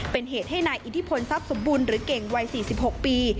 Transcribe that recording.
เป็นเหตุให้นายอิทธิพลทรัพย์สมบูรณ์หรือเก่งวัย๔๖ปี